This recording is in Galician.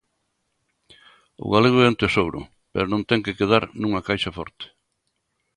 O galego é un tesouro, pero non ten que quedar nunha caixa forte.